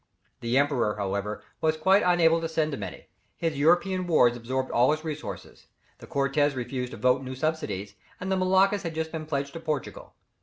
The Emperor, however, was quite unable to send him any. His European wars absorbed all his resources, the Cortez refused to vote new subsidies and the Moluccas had just been pledged to Portugal.